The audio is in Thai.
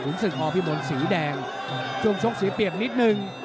หุงศึกคอพี่มนต์สีแดงช่วงชกสีเปียกนิดนึง